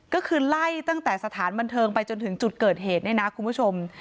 ก็คือไล่ตั้งแต่สถานบันเทิงไปจนถึงจุดเกิดเหตุเนี่ยนะคุณผู้ชม